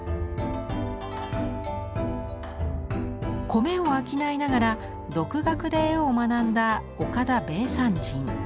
米を商いながら独学で絵を学んだ岡田米山人。